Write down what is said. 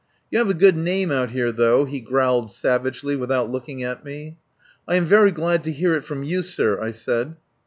"You have a good name out here, though," he growled savagely without looking at me. "I am very glad to hear it from you, sir," I said.